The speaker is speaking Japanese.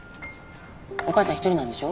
お母さん一人なんでしょ？